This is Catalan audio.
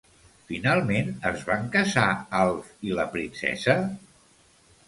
Finalment, es van casar Alf i la princesa?